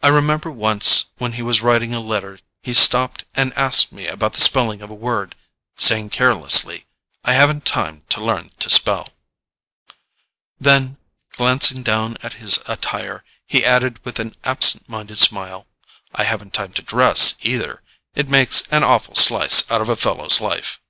I remember once when he was writing a letter he stopped and asked me about the spelling of a word, saying carelessly, "I haven't time to learn to spell." Then, glancing down at his attire, he added with an absent minded smile, "I haven't time to dress either; it takes an awful slice out of a fellow's life."